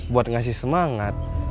buat ngasih semangat